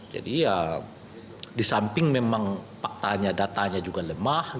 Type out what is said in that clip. ya di samping memang faktanya datanya juga lemah